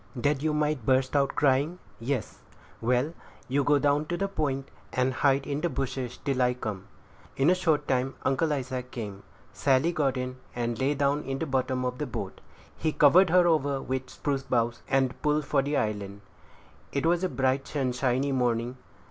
"That you might burst out crying?" "Yes." "Well, you go down to the point, and hide in the bushes till I come." In a short time Uncle Isaac came. Sally got in, and lay down in the bottom of the boat; he covered her over with spruce boughs, and pulled for the island. It was a bright, sunshiny morning.